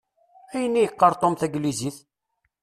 Ayen i yeqqar Tom taglizit?